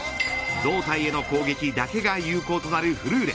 胴体への攻撃だけが有効となるフルーレ。